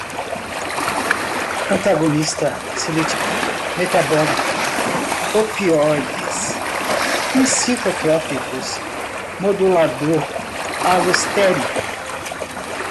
antagonista seletivo, metabólica, opioides, psicotrópicos, modulador alostérico